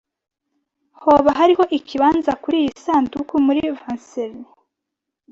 Hoba hariho ikibanza kuriyi sanduku muri vanseri?